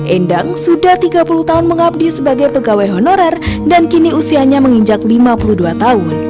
endang sudah tiga puluh tahun mengabdi sebagai pegawai honorer dan kini usianya menginjak lima puluh dua tahun